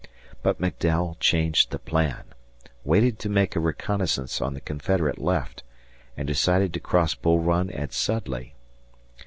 But McDowell changed the plan, waited to make a reconnaissance on the Confederate left, and decided to cross Bull Run at Sudley.